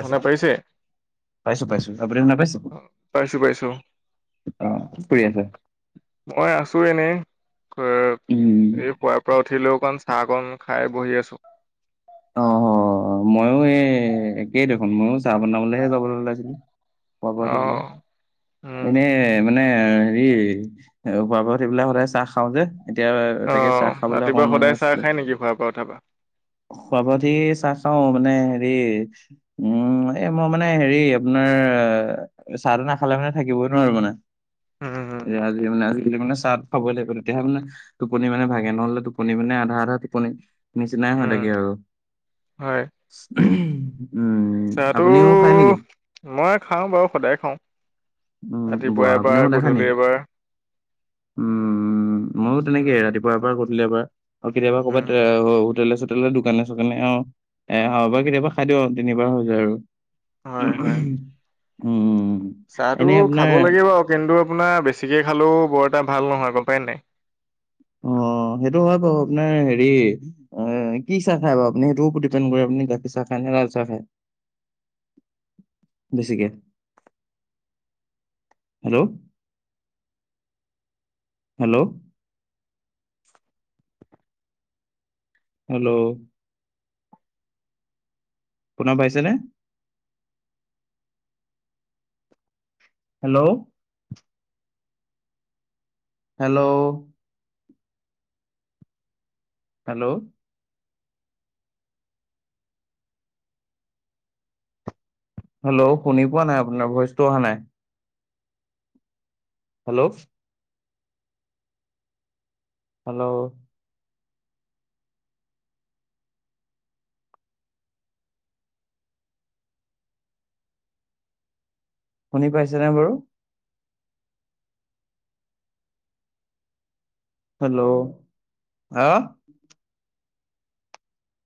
শুনা পাইছে? পাইছোঁ, পাইছোঁ, আপুনি শুনা পাইছে? পাইছো পাইছো অ' কৰি আছে? মই আছোঁ এনেই, উম এই শুৱা। পৰা উঠিলৈ অকণ চাহ অকণ খাই বহি আছোঁ। অ' ময়ো এই একেই দেখোন, ময়ো চাহ বনাবলৈহে যাবলৈ ওলাইছিলোঁ। খোৱা বোৱা অ টো কি? এনেই এ মানে হেৰি পুৱাপৰত সদায় চাহ খাওঁ যে। এতিয়া তাকে চাহ খাবলৈ ৰাতিপুৱা অকনমান সদায় চাহ বনাইছিলো। খাই নেকি শোৱাৰ পা উঠাপা? শোৱাপা উঠি চাহ খাওঁ, মানে হেৰি উম, এই মই মানে হেৰি আপোনাৰ চাহটো নাখালে মানে থাকিবই নোৱাৰো মানে এ আজি মানে আজিকালি মানে চাহ খাবই লাগিব তেতিয়াে মানে টোপনি মানে ভাগে নহ'লে টোনি মানে আধা আধা টোপনি নিচিনাই হৈ উম থাকে কে আৰু। হয় উম, চাহটো আপুনিও খায় নেকি? মই খাওঁ বাৰু সদায় খাওঁ। উম, ৰাতিপুৱা বোৱা আপুনিও এবাৰ সদায় খায় নি? গধূলি এবাৰ উম, ময়ো তেনেকে উম ৰাতিপুৱা এবাৰ গধূলি এবাৰ আৰু কেতিয়াবা উম ক'ৰবাত এ হোটেল লে দোকানে চোকানে অ' এ আৰু এবাৰ কেতিয়াবা খাই দিও তিনিবাৰ হৈ যায় আৰু। হয় হয় উম, উম। চাহটো এনেই আপোনাৰ খাব লাগে বাৰু, কিন্তু আপোনাৰ বেছিকৈ খালেওঁ বৰ এটা ভাল নহয় গ'ম পায় নাই? অ' সেইটো হয় বাৰু আপোনাৰ হেৰি অ' এ কি চাহ খাই বাৰু আপুনি সেইটোৰ ওপৰত ডিপেণ্ড কৰে, আপুনি গাখীৰ চাহ খায় নে লাল চাহ খায়? উ বেছিকে। হেল্ল'? হেল্ল'? হেল্ল'? শুনৰ পাইছেনে? হেল্ল'? হেল্ল'? হেল্ল'? হেল্ল' শুনি পোৱা নাই, আপোনাৰ ভইচটো অহা নাই? হেল্ল'? হেল্ল'? শুনি পাইছেনে বাৰু? হেল্ল' হা